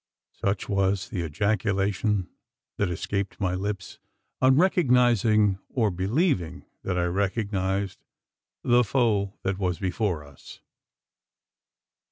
Such was the ejaculation that escaped my lips, on recognising, or believing that I recognised, the foe that was before us.